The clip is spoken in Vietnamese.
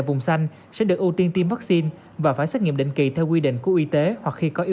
vùng xanh sẽ được ưu tiên tiêm vaccine và phải xét nghiệm định kỳ theo quy định của y tế hoặc khi có ý